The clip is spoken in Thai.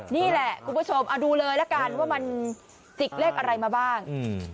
นี่แหละคุณผู้ชมเอาดูเลยละกันว่ามันจิกเลขอะไรมาบ้างอืม